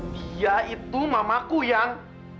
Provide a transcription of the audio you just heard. dia itu mamaku yang